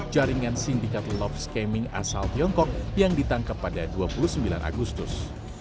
jaringan sindikat love scaming asal tiongkok yang ditangkap pada dua puluh sembilan agustus